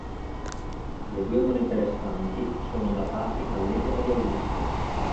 Le due monete restanti sono datati all'epoca di Augusto.